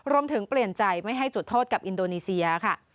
เปลี่ยนใจไม่ให้จุดโทษกับอินโดนีเซียค่ะ